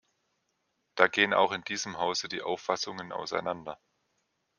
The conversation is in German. Da gehen auch in diesem Hause die Auffassungen auseinander.